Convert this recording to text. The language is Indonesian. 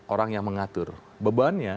orang yang mengatur bebannya